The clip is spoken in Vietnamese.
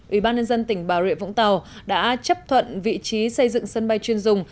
ủy ban nhân dân tỉnh bà rịa vũng tàu đã chấp thuận vị trí xây dựng sân bay chuyên dùng